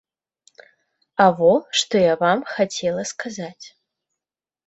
А во што я вам хацела сказаць.